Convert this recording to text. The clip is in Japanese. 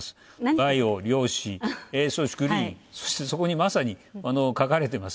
バイオ、量子、そしてグリーン、そこにまさに書かれています。